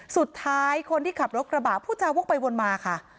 สุดท้ายคนที่ขับรถกระบะผู้เจ้าพวกไปวนมาค่ะ